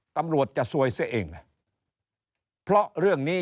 ตำรวจจะซวยเสียเองเพราะเรื่องนี้